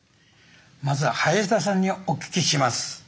まずは林田さんにお聞きします。